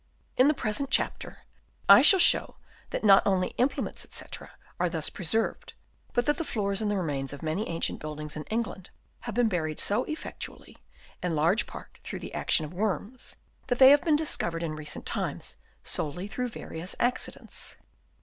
In the present chapter I shall show that not only implements, &c, are thus preserved, but that the floors and the remains of many ancient buildings in England have been buried so effectually, in large part through the action of worms, that they have been discovered in recent times solely through various accidents.